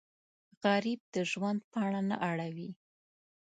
غریب د ژوند پاڼه نه اړوي